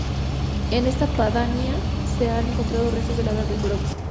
En esta pedanía se han encontrado restos de la Edad del Bronce.